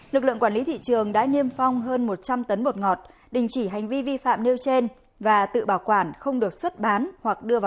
lực lượng quản lý thị trường đã niêm phong hơn một trăm linh tấn bột ngọt đình chỉ hành vi vi phạm nêu trên và tự bảo quản không được xuất bán hoặc đưa vào